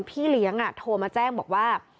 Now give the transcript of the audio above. พี่เลี้ยงโทรมาแจ้งบอกว่า